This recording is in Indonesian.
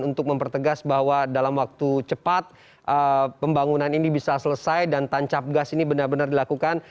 untuk mempertegas bahwa dalam waktu cepat pembangunan ini bisa selesai dan tancap gas ini benar benar dilakukan